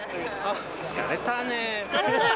疲れたね。